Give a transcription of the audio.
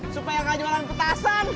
supaya gak jualan petasan